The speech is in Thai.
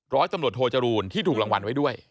ร้อยตำรวจโทจรูลที่ถูกรางวัลไว้ด้วย